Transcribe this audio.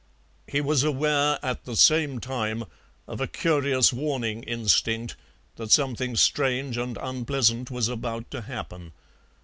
He was aware at the same time of a curious warning instinct that something strange and unpleasant was about to happen.